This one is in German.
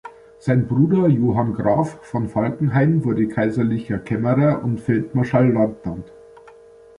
Sein Bruder Johann Graf von Falkenhayn wurde kaiserlicher Kämmerer und Feldmarschallleutnant.